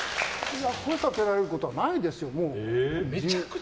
声掛けられることはないですよ。